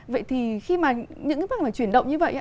vậy thì khi mà những bức ảnh mà chuyển động như vậy